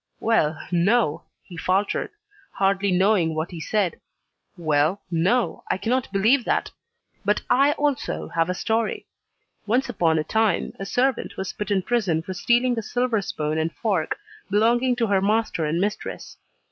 "Well, no," he faltered, hardly knowing what he said, "well, no, I cannot believe that. But I also have a story: once upon a time a servant was put in prison for stealing a silver spoon and fork belonging to her master and mistress.